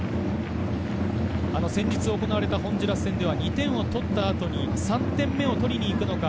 先日、行われたホンジュラス戦では２点を取った後に３点目を取りに行くのか。